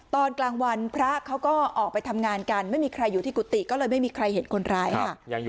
ตอนกลางวันพระเขาก็ออกไปทำงานกันไม่มีใครอยู่ที่กุฏิก็เลยไม่มีใครเห็นคนร้ายค่ะ